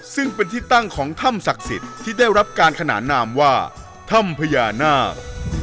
ซึ่งเป็นที่ตั้งของถ้ำศักดิ์สิทธิ์ที่ได้รับการขนานนามว่าถ้ำพญานาค